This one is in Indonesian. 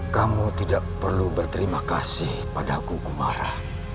kamu tidak perlu berterima kasih pada aku kumara